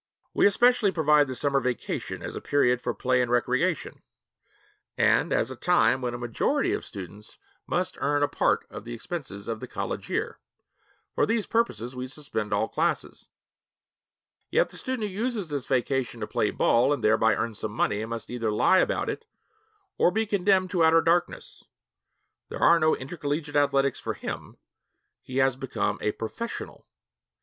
We especially provide the summer vacation as a period for play and recreation, and as a time when a majority of students must earn a part of the expenses of the college year. For these purposes we suspend all classes. Yet the student who uses this vacation to play ball and thereby earn some money must either lie about it or be condemned to outer darkness. There are no intercollegiate athletics for him; he has become a 'professional.'